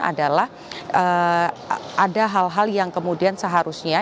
adalah ada hal hal yang kemudian seharusnya